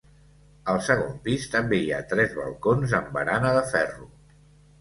Al segon pis, també hi ha tres balcons amb barana de ferro.